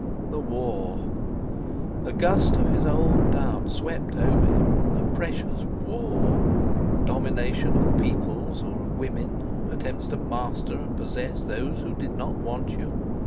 The war! A gust of his old doubt swept over him. A precious war! Domination of peoples or of women! Attempts to master and possess those who did not want you!